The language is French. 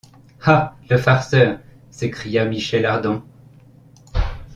Ah! le farceur ! s’écria Michel Ardan.